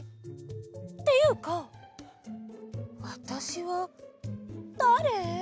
っていうかわたしはだれ？